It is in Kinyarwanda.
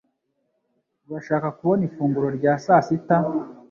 Urashaka kubona ifunguro rya sasita?